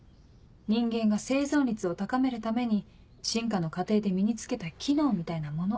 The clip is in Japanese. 人間が生存率を高めるために進化の過程で身に付けた機能みたいなもの。